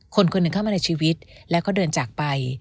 คนหนึ่งเข้ามาในชีวิตแล้วก็เดินจากไป